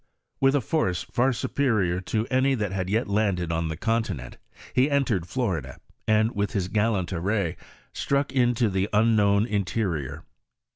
With a force far superior to any that had yet landed on the continent, he entered Florida, and, with his gallant array, struck into the unknown interior.